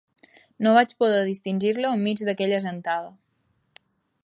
No vaig poder distingir-lo enmig d'aquella gentada.